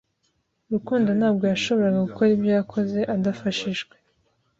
Rukundo ntabwo yashoboraga gukora ibyo yakoze adafashijwe